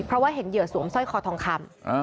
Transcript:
เพราะว่าเห็นเหยื่อสวมสร้อยคอทองคำ